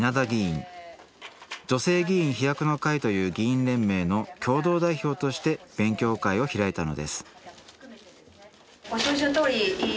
「女性議員飛躍の会」という議員連盟の共同代表として勉強会を開いたのですご承知のとおり自民党